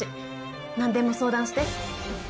「何でも相談して」